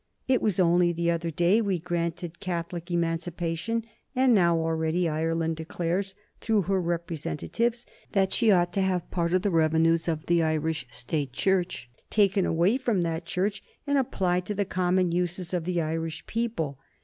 It was only the other day we granted Catholic Emancipation, and now already Ireland declares, through her representatives, that she ought to have part of the revenues of the Irish State Church taken away from that Church and applied to the common uses of the Irish people.